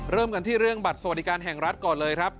เริ่มกันที่เรื่องบัตรสวัสดิการแห่งรัฐก่อนเลยครับ